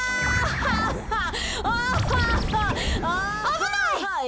あぶない！